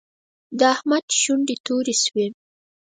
د احمد شونډې تورې شوې.